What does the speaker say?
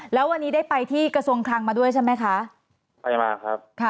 แล้ววันนี้ได้ไปที่กระทรวงคลังมาด้วยใช่ไหมคะไปมาครับค่ะ